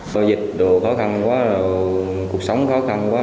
dịch đồ khó khăn quá rồi cuộc sống khó khăn quá